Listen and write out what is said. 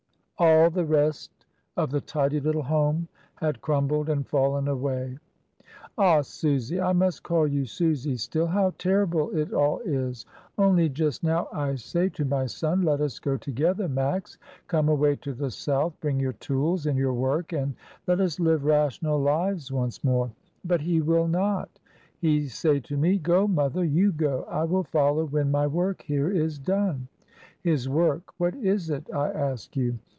All the rest of the tidy little home had crumbled and fallen away. "Ah! Susy — I must call you Susy still — how ter rible it all is. Only just now I say to my son, *Let us go together, Max; come away to the south — bring your tools and your work and let us live rational lives once more.' But he will not. He say to me, *Go, mother; you go, I will follow when my work here is done.' His work, what is it, I ask you?